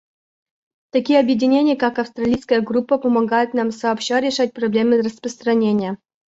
Такие объединения, как Австралийская группа, помогают нам сообща решать проблемы распространения.